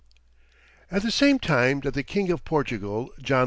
At the same time that the King of Portugal, John II.